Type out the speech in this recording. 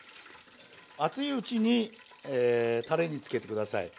熱いうちにたれにつけて下さい。